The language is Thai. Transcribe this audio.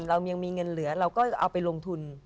เรายังมีเงินเหลือเราก็เอาไปลงทุน